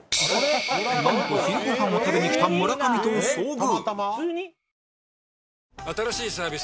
なんと昼ごはんを食べに来た村上と遭遇